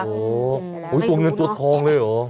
โอ้โหตัวเงินตัวทองเลยเหรอ